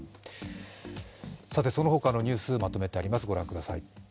その他のニュースまとめてあります。